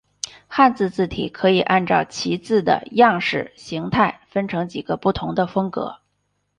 汉字字体可以按照其字的样式形态分成几个不同的风格。